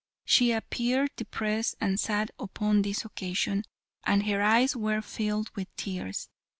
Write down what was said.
She appeared depressed and sad upon this occasion, and her eyes were filled with tears.